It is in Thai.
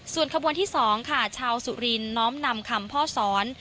ส่วนขบวนที่๒ค่ะชาวสุรินน้อมนำคำพ่อสอน